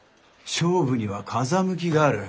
勝負には風向きがある。